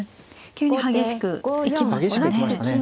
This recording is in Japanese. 急に激しく行きましたね。